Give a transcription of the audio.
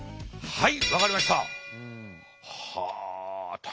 はい。